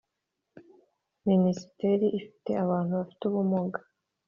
Minisiteri ifite abantu bafite ubumuga.